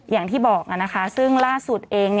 อย่างที่บอกซึ่งล่าสุดเอง